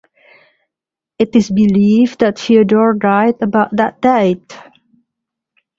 It is believed that Fyodor died about that date.